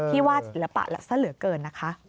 ที่วาดหรือเปล่าซะเหลือเกินนะคะ